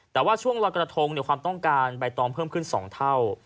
แต่ว่าช่วงลอยกระทงความต้องการใบตองเพิ่มขึ้น๒เท่า